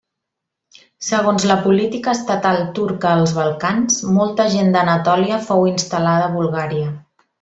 Segons la política estatal turca als Balcans, molta gent d'Anatòlia fou instal·lada a Bulgària.